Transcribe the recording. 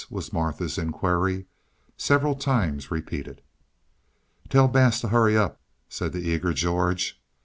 was Martha's inquiry, several times repeated. "Tell Bass to hurry up," said the eager George.